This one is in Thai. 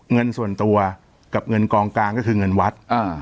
เงินส่วนตัวกับเงินกองกลางก็คือเงินวัด